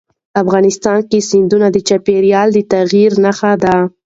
افغانستان کې سیندونه د چاپېریال د تغیر نښه ده.